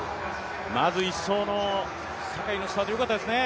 まず１走の坂井のスタートよかったですね。